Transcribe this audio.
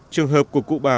trường hợp của cụ bà